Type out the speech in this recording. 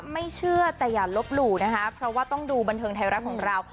ไม่เชื่อแต่อย่าลบหลู่นะคะเพราะว่าต้องดูบันเทิงไทยรัฐของเรา